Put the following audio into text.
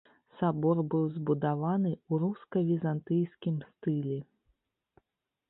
Сабор быў збудаваны ў руска-візантыйскім стылі.